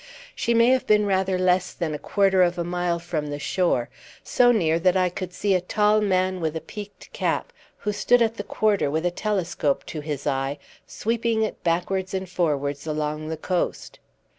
She may have been rather less than a quarter of a mile from the shore so near that I could see a tall man with a peaked cap, who stood at the quarter with a telescope to his eye, sweeping it backwards and forwards along the coast.